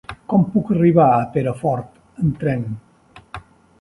Com puc arribar a Perafort amb tren?